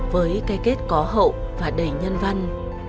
với cây kết có hậu và đầy nhân văn